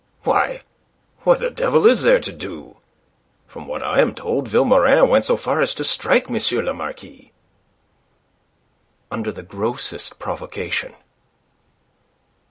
"Why, what the devil is there to do? From what I am told, Vilmorin went so far as to strike M. le Marquis." "Under the very grossest provocation."